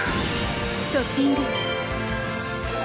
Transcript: トッピング！